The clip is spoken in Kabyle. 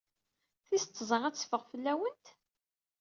Tis tẓat ad teffeɣ fell-awent?